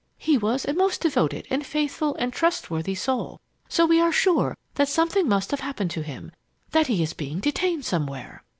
He was a most devoted and faithful and trustworthy soul, so we are sure that something must have happened to him that he is being detained somewhere.